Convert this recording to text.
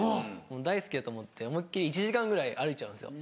大好きだと思って思いっ切り１時間ぐらい歩いちゃうんですよ。